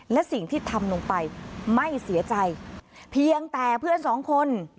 และสิ่งที่ทำลงไปไม่เสียใจเพียงแต่เพื่อนสองคน